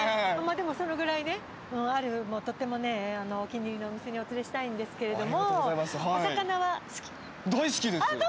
でもそのくらいねとってもねお気に入りのお店にお連れしたいんですけれども。